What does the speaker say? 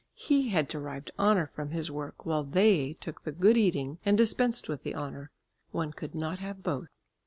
He had derived honour from his work, while they took the good eating and dispensed with the honour. One could not have both.